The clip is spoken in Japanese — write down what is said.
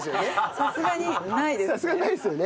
さすがにないですよね。